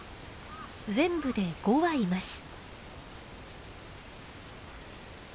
全部で５羽います。